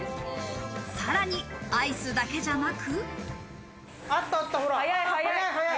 さらにアイスだけじゃなく。